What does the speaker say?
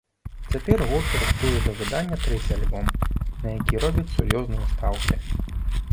Цяпер гурт рыхтуе да выдання трэці альбом, на які робіць сур'ёзныя стаўкі.